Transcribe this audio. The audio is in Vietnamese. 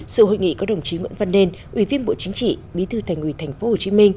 sự hội nghị có đồng chí nguyễn văn nên ủy viên bộ chính trị bí thư thành ủy tp hcm